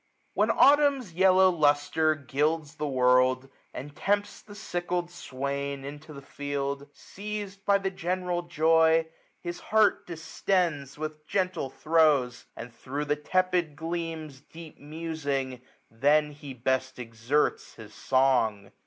When Autumn's yellow lustre gilds the world, 1320 And tempts the sickled swain into the field, Seiz'd by the general joy, his heart distends With gentle throws j and, thro' the tepid gleams Deep musing, then he best exerts his song.